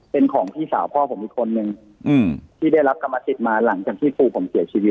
เป็นของพี่สาวพ่อผมอีกคนนึงที่ได้รับกรรมสิทธิ์มาหลังจากที่ปู่ผมเสียชีวิต